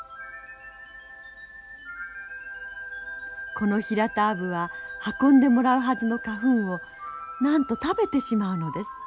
このヒラタアブは運んでもらうはずの花粉をなんと食べてしまうのです。